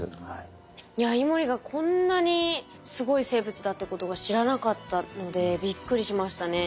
いやイモリがこんなにすごい生物だってことは知らなかったのでびっくりしましたね。